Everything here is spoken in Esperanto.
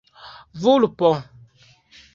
vulpo